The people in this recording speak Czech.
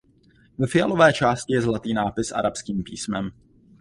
Ve fialové části je zlatý nápis arabským písmem.